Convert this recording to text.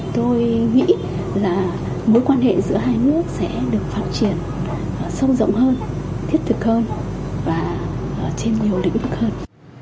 tôi nghĩ là mối quan hệ giữa hai nước sẽ được phát triển sâu rộng hơn thiết thực hơn và trên nhiều lĩnh vực hơn